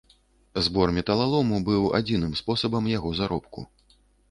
Збор металалому быў адзіным спосабам яго заробку.